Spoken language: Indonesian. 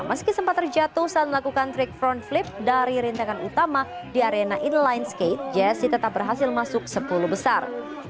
meski sempat terjatuh saat melakukan trick front flip dari rintangan utama di arena inline skate jesse tetap berhasil masuk sepuluh besar